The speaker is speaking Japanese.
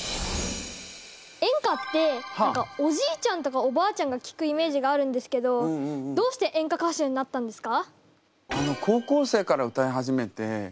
演歌っておじいちゃんとかおばあちゃんが聴くイメージがあるんですけどどうして演歌歌手になったんですか？